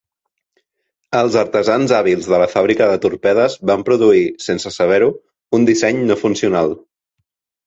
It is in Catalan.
Els artesans hàbils de la fàbrica de torpedes van produir, sense saber-ho, un disseny no funcional.